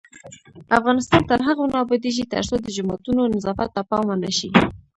افغانستان تر هغو نه ابادیږي، ترڅو د جوماتونو نظافت ته پام ونشي.